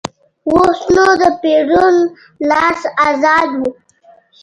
اوس نو د پېرون لاس ازاد و.